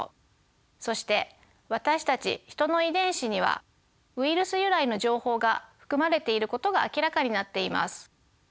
そして私たちヒトの遺伝子にはウイルス由来の情報が含まれていることが明らかになっています。